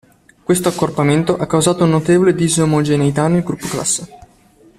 Questo accorpamento ha causato notevole disomogeneità nel gruppo classe.